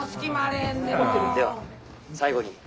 「では最後に」。